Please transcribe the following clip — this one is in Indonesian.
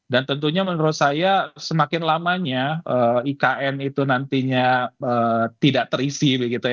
dan tentunya menurut saya semakin lamanya ikn itu nantinya tidak terisi begitu ya